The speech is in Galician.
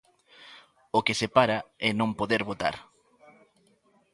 O que separa é non poder votar.